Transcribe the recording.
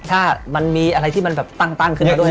ถ้ามันมีอะไรที่มันแบบตั้งขึ้นมาด้วย